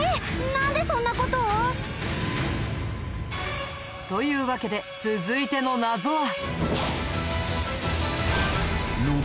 なんでそんな事を？というわけで続いての謎は。